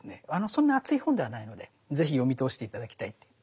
そんな厚い本ではないのでぜひ読み通して頂きたい。